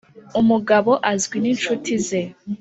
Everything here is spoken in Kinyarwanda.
umugabo azwi n'inshuti ze